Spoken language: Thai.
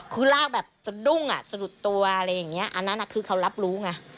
คือลากแบบสะดุ้งอ่ะสะดุดตัวอะไรอย่างนี้อันนั้นคือเขารับรู้ไง